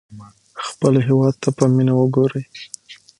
خپل هېواد ته په مینه وګورئ.